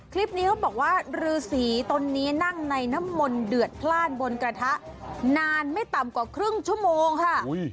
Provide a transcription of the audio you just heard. คลิปนี้เขาบอกว่ารือสีตนนี้นั่งในน้ำมนต์เดือดพลาดบนกระทะนานไม่ต่ำกว่าครึ่งชั่วโมงค่ะ